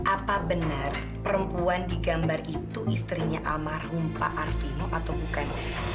apa benar perempuan di gambar itu istrinya almarhum pak arvino atau bukan